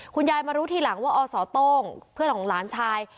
คุณยายมารู้ทีหลังว่าอสโต้งเพื่อนของหลานชาย